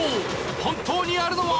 本当にあるのは？